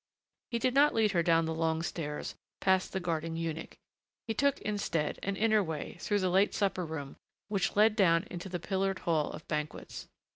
He did not lead her down the long stairs, past the guarding eunuch. He took, instead, an inner way through the late supper room which led down into the pillared hall of banquets.